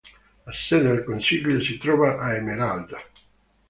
La sede del consiglio si trova a Emerald.